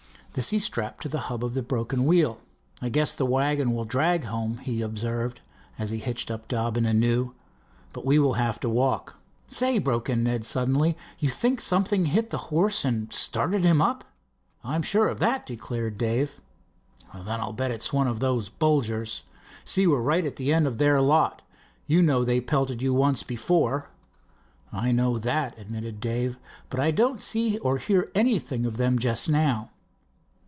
This he strapped to the hub of the broken wheel. "I guess the wagon will drag home," he observed, as he hitched up Dobbin anew, "but we will have to walk." "Say," broke in Ned suddenly, "you think something hit the horse and started him up?" "I am sure of that," declared Dave. "Then I'll bet it's one of those Bolgers. See, we're right at the end of their lot. You know they pelted you once before?" "I know that," admitted Dave, "but I don't see or hear anything of them just now."